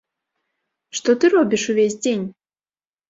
Што ты робіш ўвесь дзень?